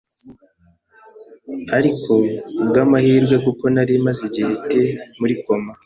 ariko kubwa’amahirwe kuko nari maze igihe ndi muri koma